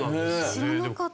知らなかった。